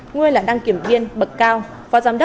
nguyên là đăng kiểm viên bậc cao